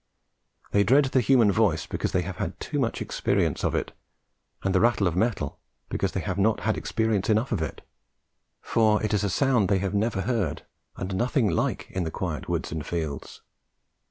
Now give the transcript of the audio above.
They dread the human voice because they have had too much experience of it, and the rattle of metal because they have not had experience enough of it, for it is a sound they have never heard, and nothing like, in the quiet woods and fields.